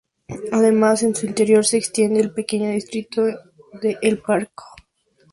Además en su interior se extiende el pequeño distrito de El Parco.